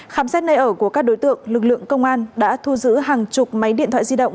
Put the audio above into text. khám xét nơi ở của các đối tượng lực lượng công an đã thu giữ hàng chục máy điện thoại di động